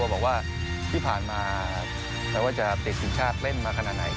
บอกว่าที่ผ่านมาแปลว่าจะเตรียมศึกชาติเล่นมาขนาดไหน